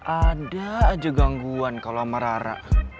ada aja gangguan kalau sama rara